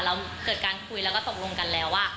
เราเกิดการคุยแล้วก็ตกลงกันแล้วว่า